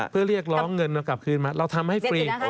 เพื่อเรียกร้องเงินเรากลับคืนมาเราทำให้ฟรี